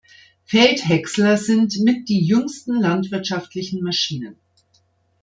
Feldhäcksler sind mit die jüngsten landwirtschaftlichen Maschinen.